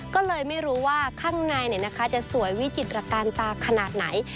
ก็เลยไม่รู้ว่าข้างในจะสวยวิจิตรการตาขนาดไหน